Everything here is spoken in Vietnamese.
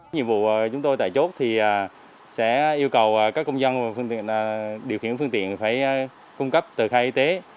nhiệm vụ chúng tôi tại chốt thì sẽ yêu cầu các công dân điều khiển phương tiện phải cung cấp tờ khai y tế